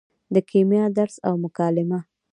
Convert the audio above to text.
د کیمیا درس او مکالمه